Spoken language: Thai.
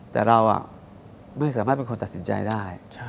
แต่เราไม่สามารถเป็นคนตัดสินใจได้